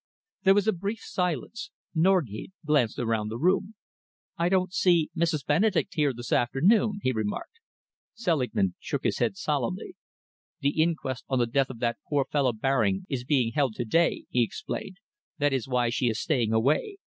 There was a brief silence. Norgate glanced around the room. "I don't see Mrs. Benedek here this afternoon," he remarked. Selingman shook his head solemnly. "The inquest on the death of that poor fellow Baring is being held to day," he explained. "That is why she is staying away.